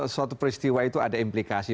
suatu peristiwa itu ada implikasi